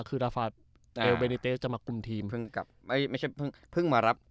คือราฟาเอลเบนิเตสจะมาคุมทีมเพิ่งกลับไม่ใช่เพิ่งมารับ